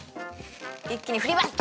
一気に振ります！